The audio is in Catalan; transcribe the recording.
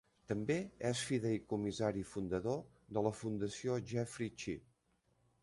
També és fideïcomissari fundador de la Fundació Jeffrey Cheah.